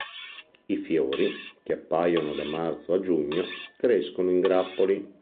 I fiori, che appaiono da marzo a giugno, crescono in grappoli.